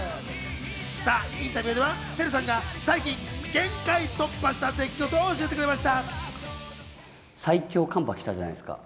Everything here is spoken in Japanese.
インタビューではＴＥＲＵさんが最近『限界突破』した出来事を教えてくれました。